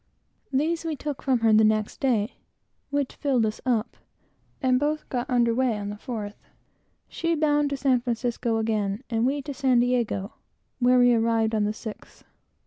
These were taken from her the next day, which filled us up, and we both got under weigh on the 4th, she bound up to San Francisco again, and we to San Diego, where we arrived on the 6th.